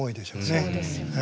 そうですね。